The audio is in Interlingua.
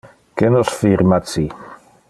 Que nos firma ci.